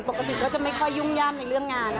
ปกติก็จะไม่ค่อยยุ่งย่ำในเรื่องงาน